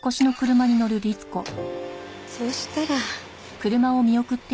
そうしたら。